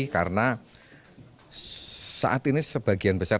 karena saat ini sebagian besar